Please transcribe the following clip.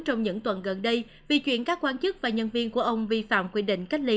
trong những tuần gần đây vì chuyện các quan chức và nhân viên của ông vi phạm quy định cách ly